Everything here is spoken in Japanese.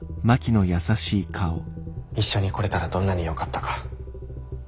一緒に来れたらどんなによかったか。